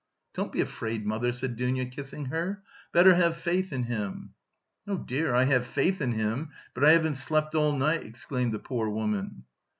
"Don't be afraid, mother," said Dounia, kissing her, "better have faith in him." "Oh, dear, I have faith in him, but I haven't slept all night," exclaimed the poor woman.